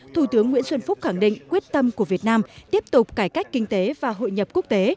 thủ tướng nguyễn xuân phúc khẳng định quyết tâm của việt nam tiếp tục cải cách kinh tế và hội nhập quốc tế